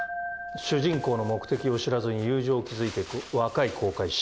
主人公の目的を知らずに友情を築いてく若い航海士。